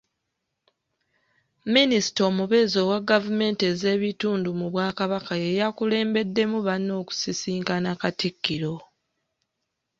Minisita Omubeezi owa gavumenti ez’ebitundu mu Bwakabaka y'eyakulembeddemu banne okusisinkana Katikkiro.